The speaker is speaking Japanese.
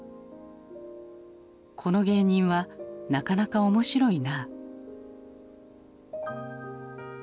この芸人はなかなか面白いな？